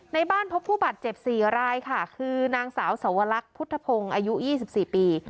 ในบ้านพบผู้บาดเจ็บ๔รายค่ะคือนางสาวสวรรคพุทธพงศ์อายุ๒๔ปี